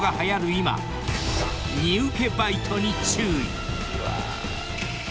今荷受けバイトに注意］